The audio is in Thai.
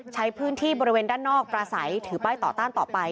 ใช้พื้นที่บริเวณด้านนอกประสัยถือป้ายต่อต้านต่อไป